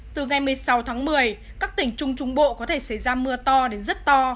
từ ngày một mươi sáu tháng một mươi các tỉnh trung trung bộ có thể xảy ra mưa to đến rất to